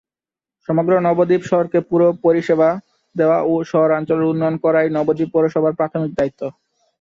সমগ্র নবদ্বীপ শহরকে পুর পরিষেবা দেওয়া ও শহরাঞ্চলের উন্নয়ন করাই নবদ্বীপ পৌরসভার প্রাথমিক দায়িত্ব।